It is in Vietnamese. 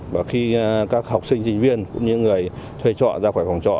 và khi các học sinh sinh viên cũng như người thuê trọ ra khỏi phòng trọ